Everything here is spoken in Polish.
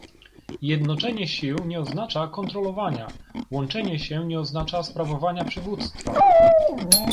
Jednoczenie sił nie oznacza kontrolowania, łączenie się nie oznacza sprawowania przywództwa